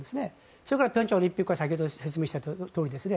それから平昌オリンピックは先ほど説明したとおりですね